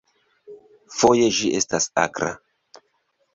Foje ĝi estas tre akra.